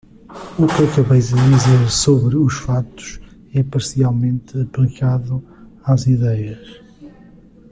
O que acabei de dizer sobre os fatos é parcialmente aplicado às idéias.